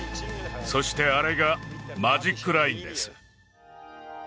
そしてあれがマジックラインです